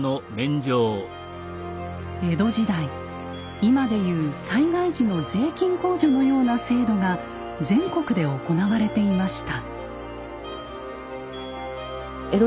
江戸時代今で言う災害時の税金控除のような制度が全国で行われていました。